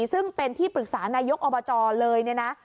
ซึ่งเป็นที่ปรึกษานายกอบจเลยเนี่ยนะ